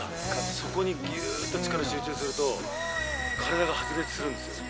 そこにギューッと力集中すると体が発熱するんですよ